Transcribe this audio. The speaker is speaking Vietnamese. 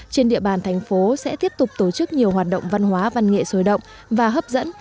trên địa bàn thành phố sẽ tiếp tục tổ chức nhiều hoạt động văn hóa văn nghệ sôi động và hấp dẫn